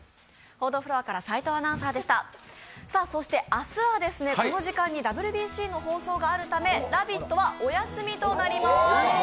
明日はこの時間にＷＢＣの放送があるため「ラヴィット！」はお休みとなります。